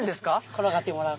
転がってもらう。